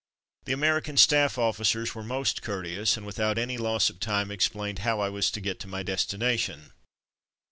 The American staff officers were most courteous, and without any loss of time ex plained how I was to get to my destination.